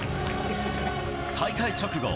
再開直後